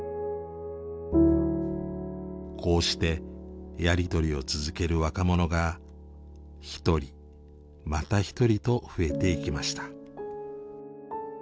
こうしてやり取りを続ける若者が一人また一人と増えていきました。